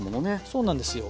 そうなんですよ。